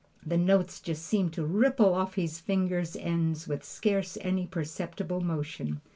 The notes just seemed to ripple off his fingers' ends with scarce any perceptible motion.